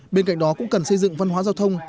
bên cạnh đó cũng cần xây dựng văn hóa giao thông